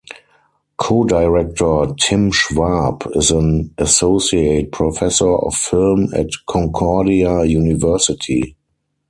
Co-director Tim Schwab is an Associate Professor of film at Concordia University.